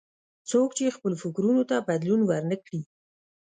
څوک چې خپلو فکرونو ته بدلون ور نه کړي.